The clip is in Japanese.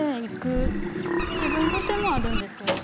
自分の手もあるんですよ。